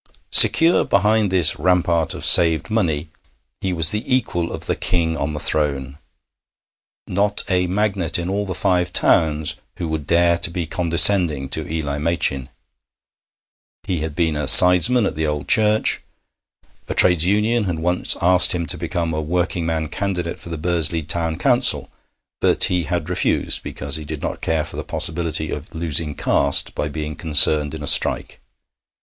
Secure behind this rampart of saved money, he was the equal of the King on the throne. Not a magnate in all the Five Towns who would dare to be condescending to Eli Machin. He had been a sidesman at the old church. A trades union had once asked him to become a working man candidate for the Bursley Town Council, but he had refused because he did not care for the possibility of losing caste by being concerned in a strike.